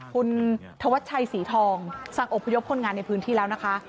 คุณธวัชชัยศรีทองสั่งอบพยพคนงานในพื้นที่แล้วนะคะ